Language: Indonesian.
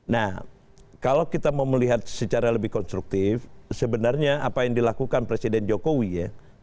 nah kalau kita mau melihat secara lebih konstruktif sebenarnya apa yang dilakukan presiden jokowi ya